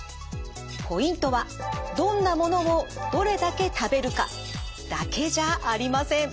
ポイントはどんなものをどれだけ食べるかだけじゃありません。